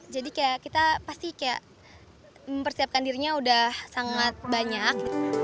jadi kayak kita pasti kayak mempersiapkan dirinya udah sangat banyak